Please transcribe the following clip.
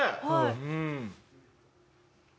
うん。